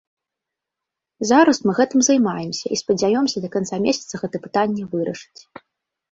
Зараз мы гэтым займаемся і спадзяёмся да канца месяца гэта пытанне вырашыць.